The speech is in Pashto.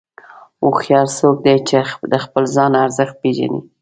هوښیار څوک دی چې د خپل ځان ارزښت پېژني.